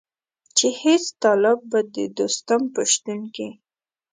چې هېڅ طالب به د دوستم په شتون کې.